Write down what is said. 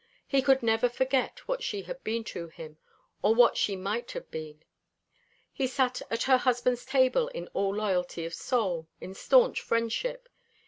He could never forget what she had been to him, or what she might have been. He sat at her husband's table in all loyalty of soul, in staunch friendship.